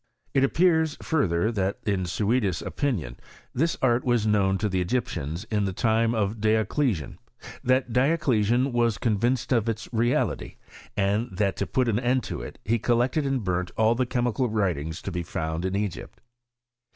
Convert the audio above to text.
It appears, further, that in Suidas*s opinion, this art was known to the Egyptians in the time of Dioclesian ; that Dioclesian was convinced of its reality ; and that, to put an endL to it, he collected and burnt all the chemical writingft to be found in Egypt.